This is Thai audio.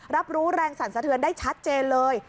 รับรู้แรงสั่นสะเทือนได้ชัดเจนเลย